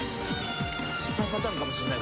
失敗パターンかもしんない